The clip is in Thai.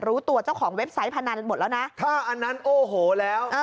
รู้ตัวเจ้าของเว็บไซต์พนันหมดแล้วนะถ้าอันนั้นโอ้โหแล้ว